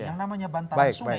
yang namanya bantaran sungai